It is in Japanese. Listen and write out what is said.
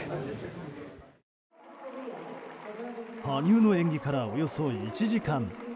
羽生の演技からおよそ１時間。